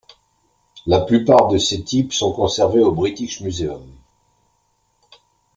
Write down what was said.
La plupart de ces types sont conservés au British Museum.